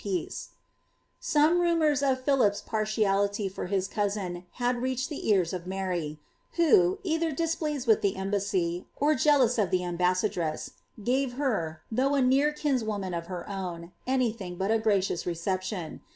peace' Some rumours of Philip's partiality for his cousin had reached the ears of Mary, who, either displeased with the embassy, or jealous of the ambassadress, irave her, though a near kinswoman of her own, any thing but a gracious reception.